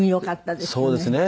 そうですね。